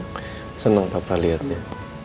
aku seneng papa liatnya